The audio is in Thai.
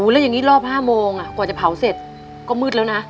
แล้วอย่างนี้รอบ๕โมงกว่าจะเผาเสร็จก็มืดแล้วนะ